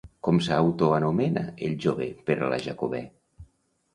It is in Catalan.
Com s'autoanomena el jove per a la Jacobè?